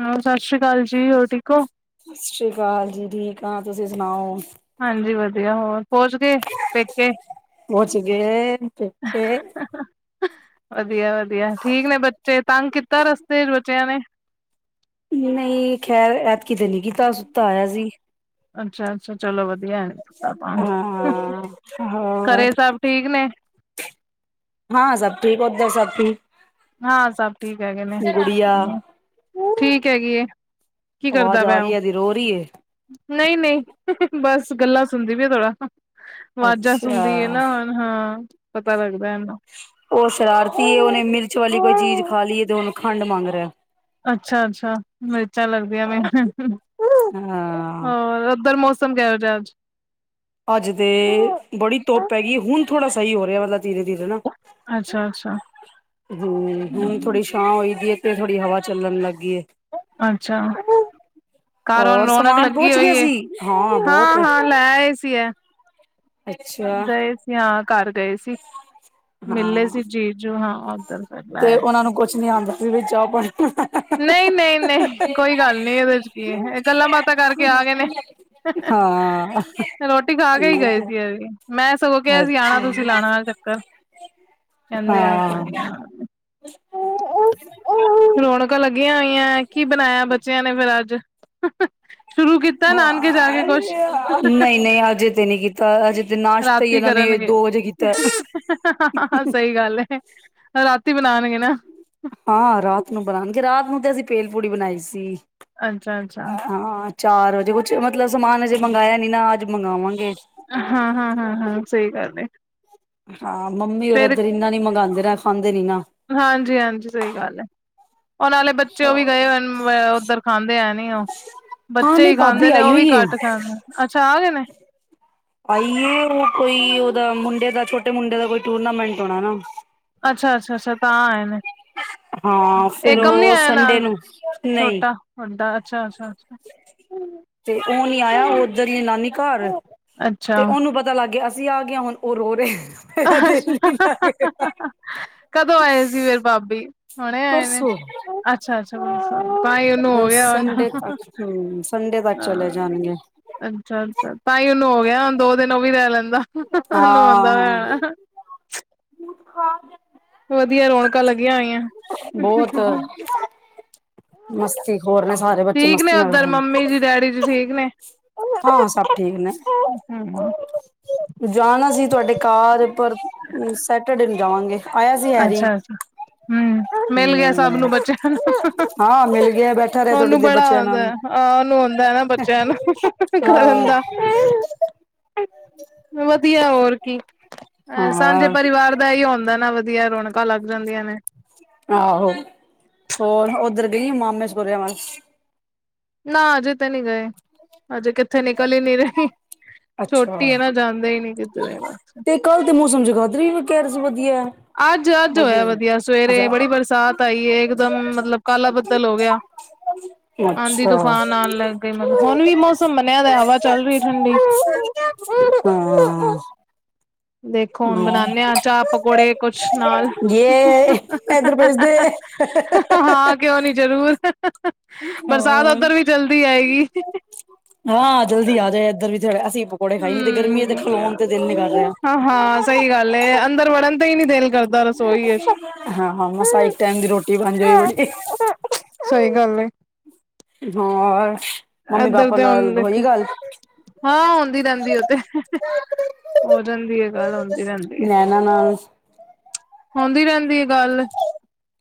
ਹਾ, ਸਤਿ ਸ਼੍ਰੀ ਅਕਾਲ ਜੀ, ਹੋਰ ਠੀਕ ਹੋ ਸਤਿ ਸ਼੍ਰੀ ਅਕਾਲ ਜੀ, ਠੀਕ ਆ, ਤੁਸੀਂ ਸੁਣਾਓ ਹਾਂਜੀ ਵਧੀਆ ਹੋਰ ਪਹੂਚ ਗਏ, ਪੇਕੇ ਪਹੁੰਚ ਗਏ ਪੇਕੇ ਵਧੀਆ -ਵਧੀਆ ਠੀਕ ਨੇ ਬੱਚੇ, ਤੰਗ ਕੀਤਾ ਰਸਤੇ ਬੱਚਿਆਂ ਨੇ ਨਹੀਂ ਖੈਰ ਐਤਕੀ ਤੇ ਨੀ ਕੀਤਾ, ਸੁੱਤਾ ਆਇਆ ਸੀ ਅੱਛਾ-ਅੱਛਾ ਚਲੋ ਵਧੀਆ ਤਾ ਆਪਾ, ਹਾਂ ਹਾਂ ਘਰੇ ਸਭ ਠੀਕ ਨੇ? ਹਾਂ ਸਭ ਠੀਕ, ਉੱਧਰ ਸਭ ਠੀਕ? ਹਾਂ ਸਭ ਠੀਕ ਹੈਗੇ ਨੇ, ਗੁੜੀਆ ਠੀਕ ਹੈਗੀ ਏ। ਕੀ ਆਵਾਜ਼ ਕਰਦਾ ਆ ਪਯਾ ਰਹੀ ਉਹ, ਹੈ ਇਹਦੀ ਰੋ ਰਹੀ ਹੈ ਨਈ-ਨਈ ਬਸ ਗੱਲਾਂ ਸੁਣਦੀ ਵੀ ਏ ਥੋੜਾ। ਆਵਾਜ਼ਾਂ ਸੁਣਦੀ ਏ ਅੱਛਾ ਨਾ ਹੁਣ, ਹਾਂ ਪਤਾ ਲੱਗਦਾ ਇਹਨੂੰ। ਉਹ ਸ਼ਰਾਰਤੀ ਏ ਉਹਨੇ ਮਿਰਚ ਵਾਲੀ ਕੋਈ ਚੀਜ਼ ਖਾ ਲਈਏ, ਤੇ ਹੁਣ ਖੰਡ ਮੰਗ ਰਿਹਾ। ਅੱਛਾ-ਅੱਛਾ ਮਿਰਚਾਂ ਲੱਗਦੀਆਂ ਪੇਈਆਂ, ਹਾਂ ਹੋਰ ਉਧਰ ਮੌਸ ਮੌਸਮ ਕੇਓ ਜਿਹਾ ਅੱਜ? ਅੱਜ ਤੇ ਬੜੀ ਧੁੱਪ ਹੇਗੀ ਏ, ਹੁਣ ਥੋੜ੍ਹਾ ਸਈ ਹੋ ਰਿਹਾ ਮਤਲਬ ਧੀਰੇ-ਧੀਰੇ ਨਾ। ਅੱਛਾ-ਅੱਛਾ। ਹੂੰ, ਹੁਣ ਥੋੜੀ ਛਾਂ ਹੋਈ ਦੀਏ ਤੇ ਥੋੜੀ ਹਵਾ ਚੱਲਣ ਲੱਗੀ ਏ। ਅੱਛਾ, ਘਰ ਹੁਣ ਹੋਰ ਰੋਣਕ ਸਮਾਨ ਲੱਗੀ ਪਹੁੰਚ ਗਿਆ ਹੋਈ ਏ, ਸੀ ਹਾਂ ਬਹੁਤ ਹਾਂ-ਹਾਂ। ਲੈ ਆਏ ਸੀ ਐ। ਅੱਛਾ ਗਏ ਸੀ, ਹਾਂ ਘਰ ਗਏ ਸੀ, ਮਿਲ ਲੈ ਹਾਂ ਸੀ ਜੀਜੂ ਹਾਂ। ਉੱਧਰ ਫਿਰ ਲੈ ਤੇ ਆਏ ਉਹਨਾਂ ਸੀ। ਨੂੰ ਕੁਛ ਨੀ ਆਂਦਾ ਸੀ, ਵੀ ਚਾਹ ਪਾਣੀ। ਨਈ-ਨਈ ਨਈ, ਕੋਈ ਗੱਲ ਨੀ ਇਹਦੇ ਚ ਕੀ ਏ ਗੱਲਾਂ ਬਾਤਾਂ ਕਰਕੇ ਆ ਗਏ ਨੇ। ਹਾਂ। ਰੋਟੀ ਖਾ ਕੇ ਠੀਕ ਹੀ ਗਏ ਸੀ ਹੈ ਅਸੀਂ, ਮੈਂ ਸਗੋਂ ਕਿਹਾ ਸੀ ਅੱਛਾ ਆਂਣਾ ਤੁਸੀਂ ਲਾਣਾ ਚੱਕਰ। ਕਹਿੰਦੇ ਆ ਕੋਈ ਹਾਂ ਨੀ ਆ, ਰੌਣਕਾਂ ਲੱਗੀਆ ਹੋ ਈਆ ਕੀ ਬਣਾਇਆ ਬੱਚਿਆਂ ਨੇ ਫੇਰ ਅੱਜ? ਸ਼ੁਰੂ ਕੀਤਾ ਨਾਨਕੇ ਜਾ ਕੇ ਕੁਛ ਨਈ-ਨਈ ਹਜੇ ਤੇ ਨੀ ਕੀ ਤਾਂ ਹਜੇ ਤੇ ਨਾਸ਼ਤਾ ਈ ਰਾਤੀ ਇਹਨਾਂ ਨੇ ਕਰਨਗੇ ਦੋ ਵਜੇ ਕੀਤਾ ਐ। ਕੀ ਗੱਲ ਐ ਰਾਤੀ ਬਣਾਣਗੇ ਨਾ। ਹਾਂ, ਰਾਤ ਨੂੰ ਬਣਾਣਗੇ। ਰਾਤ ਨੂੰ ਤੇ ਅਸੀਂ ਪੇਲ ਪੂੜੀ ਬਣਾਈ ਸੀ, ਅੱਛਾ ਅੱਛਾ ਹਾਂ। ਚਾਰ ਵਜੇ ਕੁਛ ਮਤਲਬ ਸਮਾਨ ਅਜੇ ਮੰਗਾਇਆ ਨੀ ਨਾ, ਅੱਜ ਮੰਗਾਵਾਂਗੇ। ਹਾਂ-ਹਾਂ-ਹਾਂ-ਹਾਂ ਸਈ ਗੱਲ ਏ। ਹਾਂ ਮੰਮੀ ਉਰ ਏਧਰ ਇੰਨਾ ਨੀ ਮੰਗਾਂਦੇ ਨਾ ਖਾਂਦੇ ਨੀ ਨਾ। ਹਾਂਜੀ-ਹਾਂਜੀ ਸਈ ਗੱਲ ਐ। ਓ ਆਲੇ ਬੱਚੇ ਉਹ ਵੀ ਗਏ ਹੋਏ ਉੱਧਰ, ਖਾਂਦੇ ਹੈ ਨੀ ਉਹ। ਹਾਂ ਬੱਚੇ ਨਹੀਂ ਈ ਖਾਂਦੇ ਭਾਬੀ ਨੇ, ਆਈ ਉਹ ਵੀ ਹੋਈ ਏ ਘੱਟ ਖਾਂਦੇ, ਅੱਛਾ ਆ ਗਏ ਨੇ। ਆਈ ਏ, ਉਹ ਕੋਈ ਉਹਦਾ ਮੁੰਡੇ ਦਾ ਛੋਟੇ ਮੁੰਡੇ ਦਾ ਕੋਈ ਟੂਰਨਾਮੈਂਟ ਹੋਣਾ ਨਾ। ਅੱਛਾ-ਅੱਛਾ-ਅੱਛਾ ਤਾਂ ਆਏ ਨੇ। ਹਾਂ ਫਿਰ ਏਕਮ ਉਹ ਸੰਡੇ ਨੂੰ ਨਹੀਂ ਹੁੰਦਾ, ਅੱਛਾ-ਅੱਛਾਾ। ਤੇ ਉਹ ਨੀ ਆਇਆ ਉੱਧਰ ਨਾਨੀ ਘਰ ਅੱਛਾ ਤੇ ਅੱਛਾ ਉਹਨੂੰ ਪਤਾ ਪਤਾ ਲੱਗ ਗਿਆ। ਅਸੀਂ ਆ ਗਏ ਹੁਣ ਉਹ ਰੋ ਰਿਹਾ। ਮੇਰਾ ਦਿਲ ਅੱਛਾ, ਨੀ ਲੱਗ ਕਦੋਂ ਆਏ ਸੀ ਫਿਰ ਭਾਬੀ? ਹੁਣੇ ਆਏ ਨੇ, ਪਰਸੋਂ ਅੱਛਾ-ਅੱਛਾ ਤਾਂਹੀ ਉਹਨੂੰ ਹੋ ਗਿਆ ਹੁਣ। ਹੂੰ, ਸੰਡੇ ਤੱਕ ਚਲੇ ਜਾਂਣਗੇ। ਅੱਛਾ-ਅੱਛਾ ਤਾਂ ਈ ਉਹਨੂੰ ਹੋ ਗਿਆ। ਦੋ ਦਿਨ ਉਹ ਵੀ ਰਹਿ ਲੈਂਦਾ, ਉਹਨੂੰ ਹੁੰਦਾ ਪਿਆ ਹਾਂ ਹੋਣਾ। [inaudible] ਵਧੀਆ ਰੌਣਕਾਂ ਲੱਗੀਆਂ ਹੋਈਆਂ। ਬੋਤ ਮਸਤੀ ਖੋਰ ਨੇ ਸਾਰੇ ਬੱਚੇ ਠੀਕ ਨੇ ਮਸਤੀਆਂ ਉੱਧਰ ਕਰਨ। ਮੰਮੀ ਜੀ ਡੈਡੀ ਠੀਕ ਨੇ ਹਾਂ ਸਭ ਠੀਕ ਨੇ, ਜਾਣਾ ਸੀ ਤੁਹਾਡੇ ਕਾਰ ਪਰ ਸੈਟਰਡੇ ਨੂੰ ਜਾਵਾਂਗੇ। ਆਇਆ ਸੀ ਹੈਰੀ ਅੱਛਾ-ਅੱਛਾ, ਹੂੰ। ਮਿਲ ਗਿਆ ਸਭ ਹਮ ਨੂੰ ਬੱਚਿਆਂ ਨੂੰ, ਹਾਂ ਮਿਲ ਗਿਆ ਬੈਠਾ ਰਿਹਾ ਥੋੜੀ ਉਹਨੂੰ ਦੇਰ ਬੜਾ ਬੱਚਿਆਂ ਆਂਦਾ ਨਾਲ ਐ ਆਹ ਉਹਨੂੰ ਹੁੰਦਾ ਨਾ ਬੱਚਿਆਂ ਨੂੰ ਕਰਨ ਹਾਂ ਦਾ। ਵਧੀਆ ਹੋਰ ਕੀ, ਸਾਂਝੇ ਹਾਂ ਪਰਿਵਾਰ ਦਾ ਏਹੀ ਹੁੰਦਾ ਨਾ ਵਧੀਆ, ਰੌਣਕਾਂ ਲੱਗ ਜਾਂਦੀਆਂ ਨੇ। ਆਹੋ, ਹੋਰ ਉੱਧਰ ਗਈ ਏ ਮਾਮੇ ਸਹੁਰਿਆਂ ਵੱਲ? ਨਾ ਅਜੇ ਤੇ ਨਈ ਗਏ, ਹਜੇ ਕਿੱਥੇ ਨਿਕਲ ਹੀ ਨਈ ਰਹੀ। ਅੱਛਾ ਛੋਟੀ ਐ ਨਾ ਜਾਂਦੇ ਹੀ ਨੀ ਕਿੱਧਰੇ ਬਾਹਰ। ਕੱਲ੍ਹ ਤੇ ਮੌਸਮ ਜਗਾਧਰੀ ਰੁ ਕਹਿ ਰਹੇ ਸੀ ਵਧੀਆ। ਅੱਜ ਅੱਜ ਹੋਇਆ ਵਧੀਆ ਸਵੇਰੇ ਅੱਛਾ ਬੜੀ ਬਰਸਾਤ ਆਈ ਏ ਇਕਦਮ ਮਤਲਬ ਕਾਲਾ ਬੱਦਲ ਹੋ ਗਿਆ। ਆਂਦੀ ਅੱਛਾ। ਤੂਫਾਨ ਆਣ ਲੱਗ ਗਏ ਮਤਲਬ ਹੁਣ ਵੀ ਮੌਸਮ ਬਣਿਆ ਹਵਾ ਚੱਲ ਰਹੀ ਠੰਡੀ। ਹਾਂ। ਦੇਖੋ ਹੁਣ ਬਣਾਉਂਨੇ ਹਾਂ ਚਾਹ ਪਕੌੜੇ ਕੁਛ ਨਾਲ, ਯੇ ਇਧਰ ਭੇਜ ਦੇ। ਹਾਂ ਕਿਉਂ ਨੀ ਜਰੂਰ। ਬਰਸਾਤ ਹੋਰ ਉੱਧਰ ਵੀ ਚਲਦੀ ਆਏਗੀ। ਹਾਂ ਜਲਦੀ ਆ ਜਾਏ ਇੱਧਰ ਵੀ ਅਸੀਂ ਪਕੌੜੇ ਖਾਈ ਨੀ ਤੇ ਗਰਮੀ ਤੇ ਖਲੋਣ ਤੇ ਦਿਲ ਨੀ ਕਰ ਰਿਹਾ। ਹਾਂ, ਹਾਂ, ਸਹੀ ਗੱਲ ਏ ਅੰਦਰ ਵੜਨ ਤੇ ਹੀ ਨੀ ਦਿਲ ਕਰਦਾ। ਰਸੋਈ ਵਿੱਚ, ਹਾਂ-ਹਾਂ ਮਸਾਂ ਇੱਕ ਟਾਈਮ ਦੀ ਰੋਟੀ ਬਣ ਜਾਏ ਬੜੀ ਸਹੀ ਗੱਲ ਏ। ਹਾਂ, ਮੰਮੀ ਏਧਰ ਪਾਪਾ ਤੇ ਨਾਲ ਹੁਣ ਦੇਖੋ ਹੋਈ ਗੱਲ? ਹਾਂ, ਹੁੰਦੀ ਰਹਿੰਦੀ ਓ ਤੇ ਹੋ ਜਾਂਦੀ ਹੈ ਗੱਲ ਆਉਂਦੀ ਰਹਿੰਦੀ ਹੈ। ਇਹ ਨਾ ਹੁੰਦੀ ਰਹਿੰਦੀ ਹੈ ਗੱਲ,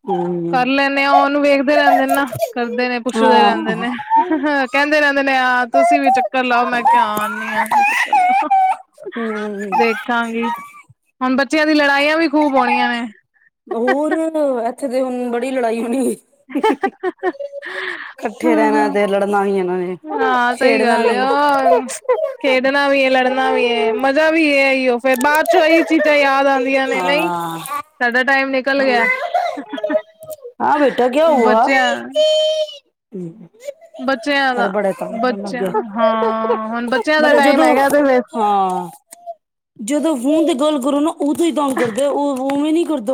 ਹੂੰ ਕਰ ਲੈਂਦੇ ਆ ਉਹਨੂੰ ਵੇਖਦੇ ਰਹਿੰਦੇ ਨੇ ਨਾ, ਕਰਦੇ ਨੇ ਖ਼ੁਸ਼ ਹੋਏ ਹਾਂ। ਰਹਿੰਦੇ ਨੇ। ਹਾਂ ਕਹਿੰਦੇ ਰਹਿੰਦੇ ਨੇ ਆ ਤੁਸੀਂ ਵੀ ਚੱਕਰ ਲਓ ਮੈਂ ਕਿਹਾ ਆਦੀ ਆ। ਹੂੰ, ਦੇਖਾਂਗੀ, ਹੁਣ ਬੱਚਿਆਂ ਦੀ ਲੜਾਈਆਂ ਵੀ ਖੂਬ ਹੋਣੀਆਂ ਨੇ। ਹੋਰ ਇੱਥੇ ਦੇ ਹੁਣ ਬੜੀ ਲੜਾਈ ਹੋਣੀ, ਇਕੱਠੇ ਹਮ ਰਹਿਣਾ ਹਮ ਤੇ ਲੜਨਾ ਹੀ ਇਹਨਾਂ ਨੇ। ਹਾਂ ਸਹੀ ਖੇਡਣਾ ਗੱਲ ਆ ਵੀ। ਹੋਰ, ਖੇਡਣਾ ਵੀ, ਲੜਨਾ ਵੀ ਹੈ ਮਜ਼ਾ ਵੀ ਇਹ ਹੀ ਉਹ ਫਿਰ ਬਾਅਦ ਚੋਂ ਇਹੀ ਚੀਜ਼ਾਂ ਯਾਦ ਆਉਂਦਿਆ ਆਉਂਦੀਆਂ ਨੇ ਨਹੀਂ, ਹਾਂ, ਸਾਡਾ ਟਾਈਮ ਨਿਕਲ ਗਿਆ, ਹਾਂ ਬੇਟਾ ਕਿਆ ਹੁਆ। ਬੱਚਿਆਂ ਬੱਚਿਆਂ ਅਰੇ ਦਾ, ਬੜੇ ਤੰਗ ਕਰਨ ਲੱਗ ਬੱਚਿਆਂ ਗਏ, ਦਾ ਹਾ ਹੁਣ ਬੱਚਿਆਂ ਦਾ ਮਤਲਬ ਟਾਈਮ ਜਦੋਂ ਹੈਗਾ ਤੇ ਫੇਰ ਹਾਂ, ਜਦੋਂ ਫੋਨ ਦੀ ਗੱਲ ਕਰੋ ਨਾ ਉਦੋਂ ਹੀ ਤੰਗ ਕਰਦੇ ਉਵੇਂ ਨੀ ਕਰਦੇ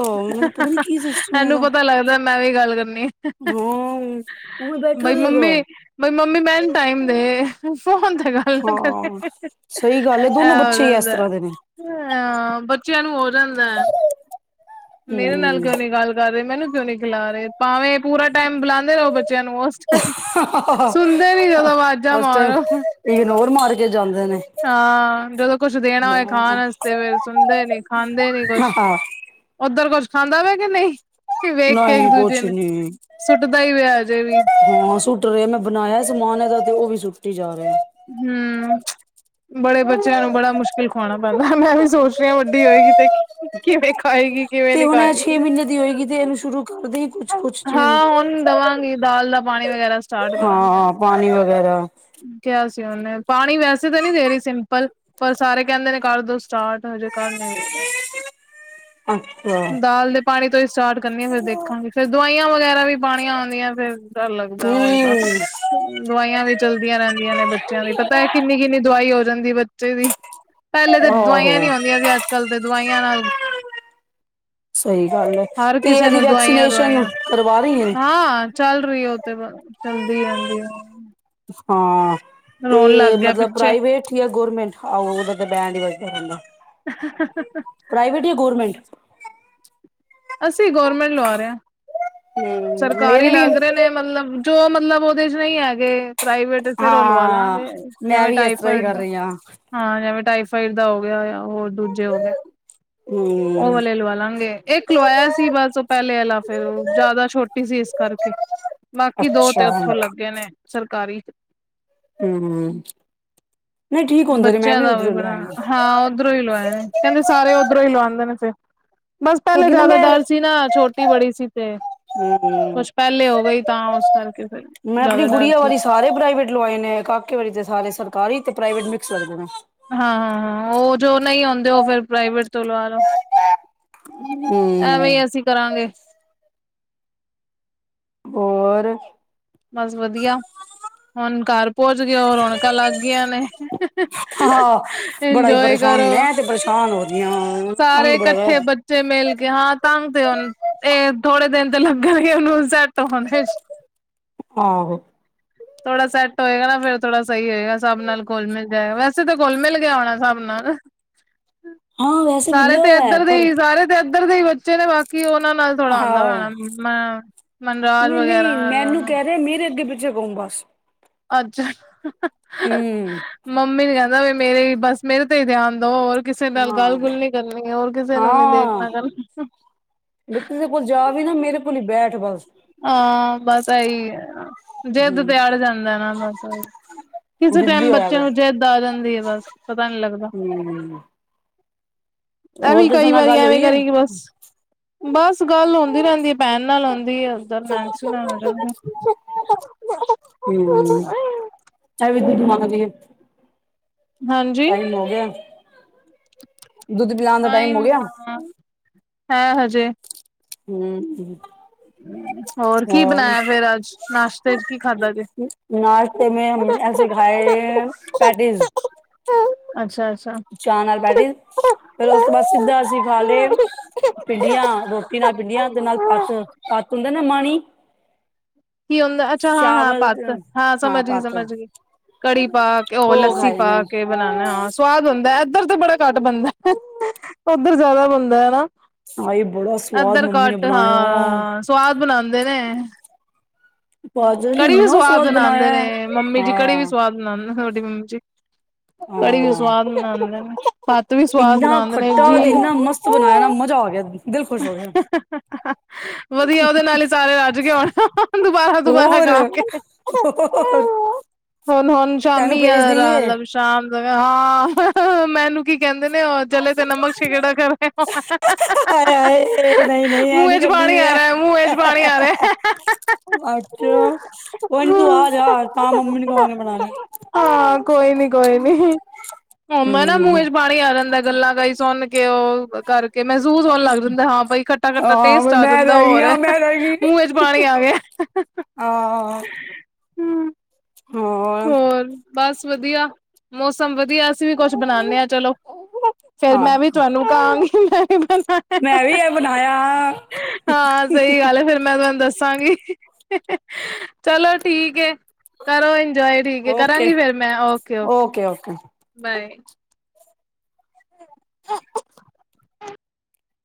ਇਹਨੂੰ ਪਤਾ ਲੱਗਦਾ ਮੈਂ ਵੀ ਗੱਲ ਕਰਨੀ ਆ, ਹਾਂ, ਹੁਣ ਬੈਠਾ ਸੀਗਾ, ਮੰਮੀ ਬਈ ਮੰਮੀ ਮੈਂਨੂੰ ਟਾਈਮ ਦੇ ਫੋਨ ਗੱਲ ਕਰਕੇ ਹਾਂ ਸਹੀ ਗੱਲ ਹੈ ਇਹ ਦੋਨੋ ਹੋ ਬੱਚੇ ਹੀ ਇਸ ਜਾਂਦਾ, ਤਰ੍ਹਾਂ ਦੇ ਨੇ ਹਾਂ, ਬੱਚਿਆਂ ਨੂੰ ਹੋ ਜਾਂਦਾ ਹੈ। ਮੇਰੇ ਨਾਲ ਹਮ ਕਿਉਂ ਨੀ ਗੱਲ ਕਰ ਰਹੇ ਮੈਨੂੰ ਕਿਉਂ ਨੀ ਖਿਲਾ ਰਹੇ ਭਾਵੇਂ ਪੂਰਾ ਟਾਈਮ ਬੁਲਾਉਂਦੇ ਰਹੋ ਬੱਚਿਆਂ ਨੂੰ ਉਹ ਆਵਾਜ਼ਾਂ ਉਸ ਟਾਈਮ ਮਾਰੋ ਇਗਨੋਰ ਮਾਰ ਕੇ ਜਾਂਦੇ ਨੇ, ਹਾਂ, ਜਦੋਂ ਕੁਛ ਦੇਣਾ ਹੋਏ ਖਾਣ ਹਾਂ ਵਾਸਤੇ ਫਿਰ ਸੁਣਦੇ ਨੀ ਖਾਂਦੇ ਨੀ ਕੁਛ। ਉੱਧਰ ਕੁੱਛ ਖਾਂਦਾ ਵੇ? ਨਹੀਂ, ਵੇਖ ਕੇ ਇੱਕ ਨਹੀਂ ਦੂਜੇ ਕੁਛ ਨੇ ਨੀ ਸੁੱਟਦਾ ਹੀ ਪਿਆ ਅੱਜੇ ਵੀ। [unintelligible] ਸੁੱਟ ਰਿਹਾ ਮੈਂ ਬਣਾਇਆ ਸਮਾਨ ਇਹਦਾ ਤੇ ਉਹ ਵੀ ਸੁੱਟੀ ਜਾ ਰਿਹਾ। ਹੂੰ। ਬੜੇ ਬੱਚਿਆਂ ਨੂੰ ਬੜਾ ਮੁਸ਼ਕਿਲ ਖਵਾਉਣਾ ਪੈਂਦਾ ਮੈਂ ਵੀ ਸੋਚ ਰਿਹੀ ਹਾ ਵੱਡੀ ਹੋਏਗੀ ਤੇ ਕਿਵੇਂ ਖਾਏਗੀ ਕਿਵੇਂ ਨੀ ਖਾਏਗੀ। [unintelligible] ਨਾਂ ਦੀ ਹੋਏਗੀ। ਦੇਣ ਸ਼ੁਰੂ ਕਰ ਦੇ। ਕੁਛ-ਕੁਛ, ਜਿਵੇਂ, ਹਾਂ ਹੁਣ ਦੇਵਾਂਗੀ ਦਾਲ ਦਾ ਪਾਣੀ ਵਗੈਰਾ ਸਟਾਰਟ ਕਰਾਂਗੇ ਹਾਂ ਪਾਣੀ ਵਗੈਰਾ। ਕਿਹਾ ਸੀ ਉਹਨੇ ਪਾਣੀ ਵੈਸੇ ਤਾਂ ਨਹੀਂ ਦੇ ਰਹੀ ਸਿੰਪਲ, ਪਰ ਸਾਰੇ ਕਹਿੰਦੇ ਨੇ ਕਰ ਦੋ ਸਟਾਰਟ ਹਜੇ ਕਰ ਨੀ ਰਹੀ ਮੈਂ। ਅੱਛਾ ਦਾਲ ਦੇ, ਪਾਣੀ ਤੋਂ ਹੀ ਸਟਾਰਟ ਕਰਨੀ ਫਿਰ ਦੇਖਾਂਗੇ ਫੇਰ ਦਵਾਈਆਂ ਵਗੈਰਾ ਵੀ ਪਾਣੀਆਂ ਆਉਂਦੀਆਂ ਫੇਰ। ਲੱਗਦਾ ਬਸ, ਹਮ ਦਵਾਈਆਂ ਵਿੱਚ ਚਲਦੀਆਂ ਰਹਿੰਦੀਆਂ ਨੇ ਬੱਚਿਆਂ ਦੀ ਪਤਾ ਹੈ ਕਿੰਨੀ ਕਿੰਨੀ ਦਵਾਈ ਹੋ ਜਾਂਦੀ ਬੱਚੇ ਦੀ, ਪਹਿਲੇ ਤੇ ਦਵਾਈਆਂ ਆਹੋ ਨਹੀ ਹੂੰਦੀਆਂ ਸੀ ਅੱਜ -ਕੱਲ ਤੇ ਦਵਾਈਆਂ ਨਾਲ ਸਹੀ ਗੱਲ ਹੈ ਹਰ ਤੇ ਕਿਸੇ ਇਹਦੀ ਨੂੰ ਦਵਾਈਆਂ- ਵੈਕਸੀਨੇਸ਼ਨ ਦਵਾਈਆਂ, ਕਰਵਾ ਰਹੀ ਹੈ ਹਾਂ! ਚੱਲ ਰਹੀ ਉਹ ਤੇ ਬਸ, ਚੱਲਦੀ ਰਹਿੰਦੀ ਹੈ। ਹਾਂ! ਤੇ ਰੋਣ ਲੱਗ ਗਿਆ ਮਤਲਬ ਪਿੱਛੇ ਪ੍ਰਾਈਵੇਟ ਜਾਂ ਗੌਰਮੈਂਟ? ਆ! ਉਹਦਾ ਤਾਂ ਬੈਡ ਹੀ ਵਜਦਾ ਰਹਿੰਦਾ। ਹ -ਹ -ਹ -ਹ ਪ੍ਰਾਈਵੇਟ ਜਾਂ ਗੌਰਮੈਂਟ? ਅਸੀਂ ਗੌਰਮੈਂਟ ਲਵਾ ਰਹੇ ਹਾਂ। ਹਮ ਸਰਕਾਰੀ ਮੇਰੇ ਵੀ ਲੱਗ ਰਹੇ ਨੇ ਮਤਲਬ, ਜੋ ਮਤਲਬ ਉਹਦੇ ਚ ਨਹੀਂ ਹੈਗੇ ਪ੍ਰਾਈਵੇਟ ਫਿਰ ਉਹ ਹਾਂ ਲਵਾਲਾਂਗੇ ਮੈਂ ਜਿਵੇਂ ਵੀ ਇਸ ਤਰ੍ਹਾਂ ਹੀ ਟਾਈਫੋਇਡ ਕਰ ਦਾ। ਰਹੀ ਹਾਂ ਹਾਂ, ਜਿਵੇਂ ਟਾਈਫਾਈਡ ਦਾ ਹੋ ਗਿਆ ਜਾਂ ਹੋਰ ਦੂਜੇ ਹੋ ਗਏ। ਉਹ ਹਮ ਵਾਲੇ ਲਵਾਲਾਂਗੇ, ਇੱਕ ਲਵਾਇਆ ਸੀ ਬਸ ਉਹ ਪਹਿਲੇ ਆਲਾ ਫੇਰ ਜ਼ਿਆਦਾ ਟੀ ਸੀ ਇਸ ਕਰਕੇ, ਬਾਕੀ ਦੋ ਤੇ ਅੱਛਾ ਉੱਥੋਂ ਲੱਗੇ ਨੇ ਸਰਕਾਰੀ। ਹਮ ਨਹੀਂ ਠੀਕ ਹੁੰਦੇ ਨੇ ਬੱਚੇ ਮੈਂ ਦਾ ਵੀ ਉੱਧਰੋਂ ਬੜਾ ਲਵਾਏ ਨੇ ਹਾਂ ਉਹ ਉੱਧਰੋਂ ਹੀ ਲਵਾਏ ਨੇ, ਕਿੰਦੇ ਸਾਰੇ ਉੱਧਰੋਂ ਹੀ ਲਵਾਉਂਦੇ ਨੇ ਫਿਰ। ਬਸ ਪਹਿਲੇ ਕਿਉਂਕਿ ਨਾ ਜਿਆਦਾ ਮੈਂ ਡਰ ਸੀ ਨਾ ਛੋਟੀ ਬੜੀ ਸੀ ਤੇ ਹਮ-ਹਮ, ਕੁਛ ਪਹਿਲੇ ਹੋ ਗਈ ਤਾਂ ਉਸ ਕਰਕੇ ਫਿਰ ਮੈਂ ਆਪਣੀ ਜ਼ਿਆਦਾ ਡਰ ਗੁੜੀਆਂ ਸੀ ਵਾਰੀ ਸਾਰੇ ਪ੍ਰਾਈਵੇਟ ਲਵਾਏ ਨੇ, ਕਾਕੇ ਵਾਰੀ ਤੇ ਸਾਰੇ ਸਰਕਾਰੀ ਤੇ ਪ੍ਰਾਈਵੇਟ ਮਿਕ੍ਸ ਲੱਗਦੇ ਨੇ। ਹਾਂ -ਹਾਂ -ਹਾਂ, ਉਹ ਜੋ ਨਹੀਂ ਹੁੰਦੇ ਉਹ ਫਿਰ ਪ੍ਰਾਈਵੇਟ ਤੋਂ ਲਵਾ ਲਓ। ਹਮ ਐਵੇਂ ਹੀ ਅਸੀਂ ਕਰਾਂਗੇ। ਹੋਰ ਬਸ ਵਧੀਆ, ਹੁਣ ਘਰ ਪਹੁੰਚ ਗਏ ਹੋ ਰੌਣਕਾਂ ਲੱਗ ਗਈਆਂ ਨੇ। ਹਾਂ, ਬੜਾ ਹੀ ਇੰਜੋਏ ਪਰੇਸ਼ਾਨ ਕਰੋ ਮੈਂ ਤੇ ਪਰੇਸ਼ਾਨ ਹੋ ਰਹੀ ਹਾਂ। ਸਾਰੇ ਤੰਗ ਬੜਾ ਹੋਇਆ ਇਕੱਠੇ ਬ ਬੱਚੇ ਮਿਲ ਕੇ ਹਾਂ ਤੰਗ ਤੇ ਉਹਨ ਇਹ ਥੋੜੇ ਦਿਨ ਤੇ ਲੱਗਣਗੇ ਉਹਨੂੰ ਸੈਟ ਤ ਹੋਣ ਵਿੱਚ ਹ [unintelligible] ਥੋੜਾ ਸੈਟ ਹੋਏਗਾ ਨਾ ਫੇਰ ਥੋੜ੍ਹਾ ਸਹੀ ਹੋਏਗਾ ਸਬ ਨਾਲ ਕੁਲ ਮਿਲ ਜਾਏਗਾ ਵੈਸੇ ਤਾਂ ਕੁਲ ਮਿਲ ਗਿਆ ਹੋਣਾ ਸਬ ਨਾਲ ਹਾਂ ਵੈਸੇ ਸਾਰੇ ਮਿਲਿਆ ਤੇ ਹੋਇਆ ਹੈ ਇੱਧਰ ਦੇ ਪਰ ਹੀ, ਸਾਰੇ ਤੇ ਇੱਧਰ ਦੇ ਹੀ ਬੱਚੇ ਨੇ ਬਾਕੀ ਉਹਨਾਂ ਨਾਲ ਥੋੜ੍ਹਾ ਹਾਂ ਆਉਂਦਾ ਵਾੈ [unintelligible] ਮ ਮਨਰਾਜ ਵਗੈਰਾ ਨਾਲ- ਵੀ ਮੇਰੇ ਅੱਗੇ- ਪਿੱਛੇ ਘੁਮ ਬਸ ਅਛ, ਹ -ਹ -ਹ ਹਮ ਮੰਮੀ ਦੀ ਗਲ ਦਾ ਮੇਰੇ ਬਸ ਮੇਰੇ ਤੇ ਹੀ ਧਿਆਨ ਦੋ ਹੋਰ ਕਿਸੇ ਨਾਲ ਹਾਂ ਗੱਲ- ਗੁੱਲ ਨੀ ਕਰਨੀ ਹੈ। ਹੋਰ ਕਿਸੇ ਨੂੰ ਨੀ ਹਾਂ ਦੇਖਣਾ ਕਰਨਾ। ਵੀ ਕਿਸੇ ਕੋਲ ਜਾ ਵੀ ਨਾ, ਮੇਰੇ ਕੋਲ ਹੀ ਬੈਠ ਬਸ। ਹਾਂ, ਬਸ ਇਹੀ ਹੈ। ਜ਼ਿਦ ਬੈਠ ਜਾਂਦਾ ਨਾ ਬਸ ਕਿਸੇ ਟਾਈਮ ਜਿੱਦੀ ਹੋਇਆ ਬੱਚੇ ਵਾ ਨੂੰ ਜਿੱਦ ਆ ਜਾਂਦੀ ਹੈ ਬਸ, ਪਤਾ ਨੀ ਲੱਗਦਾ। ਹਮ ਇਹ ਹੋਰ ਵੀ ਕਿਸੇ ਕਈ ਨਾਲ ਵਾਰੀ ਗੱਲ ਐਵੇਂ ਹੋਈ ਹੈ ਕਰੇਗੀ ਬਸ। ਬਸ ਗੱਲ ਹੁੰਦੀ ਰਹਿੰਦੀ ਹੈ ਭੈਣ ਨਾਲ ਹੁੰਦੀ ਹੈ ਡ ਹਮ [unintelligible] [unintelligible] ਹਾਂਜੀ ਟਾਈਮ ਹੋ ਗਿਆ। ਦੁੱਧ ਪਿਲਾਉਣ ਦਾ ਟਾਈਮ ਹੋ ਗਿਆ? ਹੈ ਹਜੇ ਹਮਮ ਹੋਰ ਕਿ ਬਣਾਇਆ ਫੇਰ ਅੱਜ? ਨਾਸ਼ਤੇ 'ਚ ਕਿ ਖਾਧਾ ਜੇ? ਐਸੀ ਖਾਏ, ਪੈਟੀਜ਼ ਅੱਛਾ- ਅੱਛਾ। ਚਾਅ ਨਾਲ ਪੈਟਿਸ, ਫਿਰ ਉਸ ਤੋਂ ਬਾਅਦ ਸਿੱਧਾ ਅਸੀ ਖਾ ਲਏ। ਭਿੰਡੀਆਂ ਰੋਟੀ ਨਾਲ ਭਿੰਡੀਆਂ, ਦੇ ਨਾਲ ਪੱਤ, ਪੱਤ ਹੁੰਦੇ ਨਾ ਮਾਣੀ ਕੀ ਹੁੰਦਾ, ਅੱਛਾ, ਹਾਂ-ਹਾਂ, ਚਾਵਲ ਪੱਤ, ਹਾਂ ਸਮਝਗੀ, ਸਮਝਗੀ। ਕੜੀ ਪਾਕੇ, ਉਹ ਲੱਸੀ ਖਾਏ ਨੇ ਪਾਕੇ ਬਣਾਨਾਂ ਹਾਂ ਸਵਾਦ ਹੁੰਦਾ, ਇੱਧਰ ਤੇ ਬੜਾ ਘੱਟ ਬਣਦਾ, ਉੱਧਰ ਜ਼ਿਆਦਾ ਬਣਦਾ, ਹੈਨਾ। ਹਾਏ ਬੜਾ ਸਵਾਦ ਇੱਧਰ ਮੰਮੀ ਨੇ ਘੱਟ, ਬਣਾਇਆ ਹਾਂ, ਸਵਾਦ ਬਣਾਂਦੇ ਨੇ। ਭਾਜੀ ਨੇ ਕੜੀ ਵੀ ਇੰਨਾ ਸਵਾਦ ਬਣਾਂਦੇ ਬਣਾਇਆ ਹੈ ਨੇ, ਮੰਮੀ ਜੀ, ਕੜੀ ਵੀ ਹਾਂ ਸਵਾਦ ਬਣਾਂਦੇ ਤੁਹਾਡੇ ਮੰਮੀ ਜੀ? ਕੜੀ ਵੀ ਹਾਂ ਸਵਾਦ ਬਣਾਂਦੇਨ ਪੱਤ ਵੀ ਸਵਾਦ ਇੰਨਾ ਬਣਾਂਦੇ ਨੇ, ਖੱਟਾ ਤੇ ਜੀ। ਇੰਨਾ ਮਸਤ ਬਣਾਇਆ ਨਾ, ਮਜ਼ਾ ਆਗਿਆ, ਦਿਲ ਖੁਸ਼ ਹੋਗਿਆ। ਵਧੀਆ, ਉਹਦੇ ਨਾਲ ਹੀ ਸਾਰੇ ਰੱਜ ਗਏ ਹੋਣੇ, ਦੁਬਾਰਾ-ਦੁਬਾਰਾ ਹੋਰ ਖਾਕੇ। ਹੋਰ ਹੁਣ, ਹੁਣ ਤੈਨੂੰ ਸ਼ਾਮੀ ਭੇਜ ਅ ਰ ਆ ਦੇਈਏ ਲ ਸ਼ਾਮ, ਹਾਂ ਮੈਨੂੰ ਕੀ ਕਹਿੰਦੇ ਨੇ, ਉਹ ਜਲੇ ਤੇ, ਨਮਕ ਸ਼ਿਗੜ ਕਰ ਰਹੇ ਹੋ। ਹਾਹਾਹਾ ਹਾਏ ਹਾਏ, ਨਹੀਂ-ਨਹੀਂ ਐਂ ਨੀ ਕਹਿੰਦੀ ਸੀ, ਆ ਮੈਂ। ਰਿਹਾ ਮੂੰਹ ਚ ਪਾਣੀ ਆ ਰਿਹਾ ਅੱਛਾ, ਕੋਈ ਨੀ ਤੂੰ ਆਜਾ, ਤਾਂ ਮੰਮੀ ਨੂੰ ਕਵਾਂਗੇ ਬਣਾਲੇ ਹਾਂ, ਕੋਈ ਨੀ, ਕੋਈ ਨੀ, ਮੰਮਾ ਨਾ ਮੂੰਹ ਹੂੰ ਵਿੱਚ ਪਾ ਪਾਣੀ ਆ ਜਾਂਦਾ, ਗੱਲਾਂ ਕਈ ਸੁਣਕੇ ਉਹ ਕਰਕੇ, ਮਹਿਸੂਸ ਹੋਣ ਲੱਗ ਬੰਦਾ, ਹਾਂ ਬਾਈ ਖੱਟਾ-ਖੱਟਾ ਹਾਂ ਟੇਸਟ ਆ ਮੈਂ ਜਾਂਦਾ, ਰਹਿ ਗਈ ਹੋਰ ਹਾਂ ਮੈਂ ਰਹਿ ਗਈ ਮੂੰਹ ਵਿੱਚ ਪਾਣੀ ਆਗਿਆ। ਹਾਂ। ਹੂੰ ਹਾਂ। ਹੋਰ ਬਸ ਵਧੀਆ, ਮੌਸਮ ਵਧੀਆ। ਅਸੀਂ ਵੀ ਕੁਛ ਬਣਾਂਨੇ ਆ, ਚਲੋ। ਫੇਰ, ਹਾਂ ਮੈਂ ਵੀ ਤੁਹਾਨੂੰ ਕਹਾਂਗੀ, ''ਮੈਂ ਮੈਂ ਵੀ ਇਹ ਬਣਾਇਆ ਹਾਂ, ਸਹੀ ਗੱਲ ਏ, ਫਿਰ ਮੈਂ ਤੁਹਾਨੂੰ ਦੱਸਾਂਗੀ। ਚਲੋ ਠੀਕ ਏ, ਕਰੋ ਇੰਜੋਏ। ਠੀਕ ਏ, ਓਕੇ ਕਰਾਂਗੀ ਫੇਰ ਮੈਂ, ਓਕੇ-ਓਕੇ ਓਕੇ ਓਕੇ ਬਾਏ। [inaudible]